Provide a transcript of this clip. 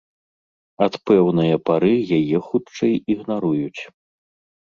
Ад пэўнае пары яе, хутчэй, ігнаруюць.